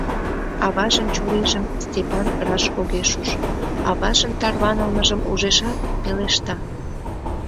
Аважын чурийжым Степан раш огеш уж, аважын тарванылмыжым ужешат, пелешта: